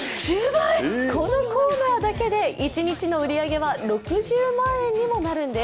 このコーナーだけで一日の売り上げは６０万円にもなるんです。